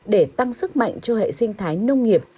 để tăng sức mạnh cho hệ sinh thái nông nghiệp